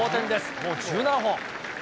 もう１７本。